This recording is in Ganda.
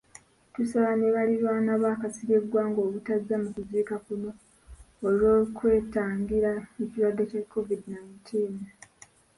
Tusaba ne balirwana ba Kasirye Gwanga obutajja mu kuziika kuno olw'okwetangira ekirwadde kya COVID nineteen.